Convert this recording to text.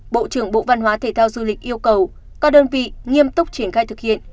bộ trưởng bộ văn hóa thể thao du lịch yêu cầu các đơn vị nghiêm túc triển khai thực hiện